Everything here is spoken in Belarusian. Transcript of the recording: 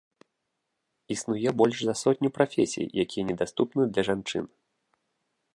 Існуе больш за сотню прафесій, якія недаступны для жанчын.